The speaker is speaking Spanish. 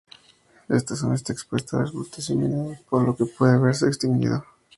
Esta zona está expuesta a la explotación minera por lo que puede haberse extinguido.